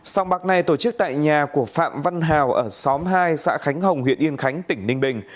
sông bạc này tổ chức tại nhà của phạm văn hào ở xóm hai xã khánh hồng huyện yên khánh tỉnh ninh bình